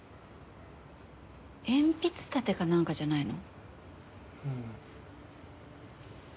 鉛筆立てかなんかじゃないの？